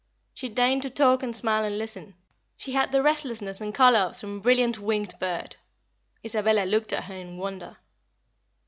She deigned to talk and smile and listen. She had the restlessness and color of some brilliant winged bird. Isabella looked at her in wonder.